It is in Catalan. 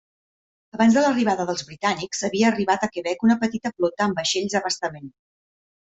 Abans de l'arribada dels britànics, havia arribat a Quebec una petita flota amb vaixells d'abastament.